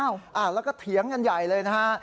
แล้วก็เถียงใหญ่เลยนะฮะ